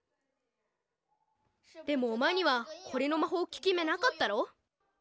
でもおまえにはこれのまほうききめなかったろ？